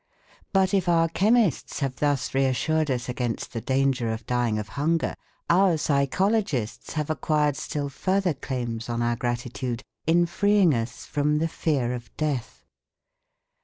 But if our chemists have thus reassured us against the danger of dying of hunger, our psychologists have acquired still further claims on our gratitude in freeing us from the fear of death.